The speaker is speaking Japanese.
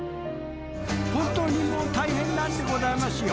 本当にもう大変なんでございますよ